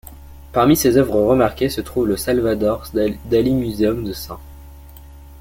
Parmi ses œuvres remarquées se trouve le Salvador Dali Museum de St.